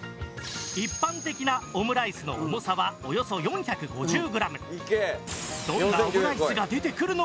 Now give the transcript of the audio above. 一般的なオムライスの重さはおよそ４５０グラム。